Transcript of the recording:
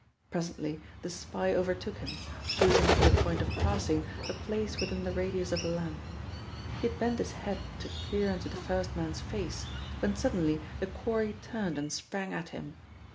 Presently the spy overtook him, choosing for the point of passing, a place within the radius of a lamp. He had bent his head to peer into the first man's face when suddenly the quarry turned and sprang at him.